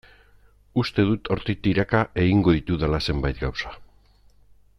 Uste dut hortik tiraka egingo ditudala zenbait gauza.